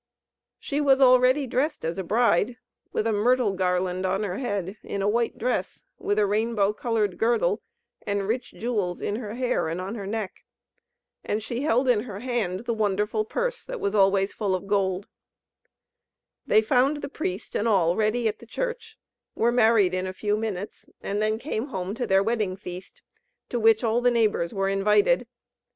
She was already dressed as a bride, with a myrtle garland on her head, in a white dress, with a rainbow coloured girdle, and rich jewels in her hair and on her neck. And she held in her hand the wonderful purse, that was always full of gold. They found the priest and all ready at the church; were married in a few minutes; and then came home to their wedding feast, to which all the neighbours were invited.